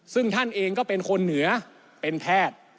ซึ่งท่านเองก็เป็นคนเหนือเป็นแพทย์